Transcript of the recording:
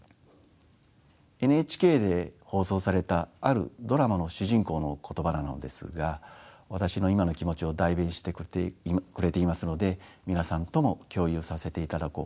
ＮＨＫで放送されたあるドラマの主人公の言葉なのですが私の今の気持ちを代弁してくれていますので皆さんとも共有させていただこうそう思います。